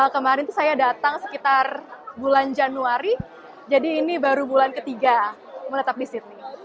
kemarin saya datang sekitar bulan januari jadi ini baru bulan ketiga menetap di sydney